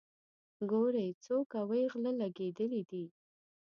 ګورئ څو کوئ غله لګېدلي دي.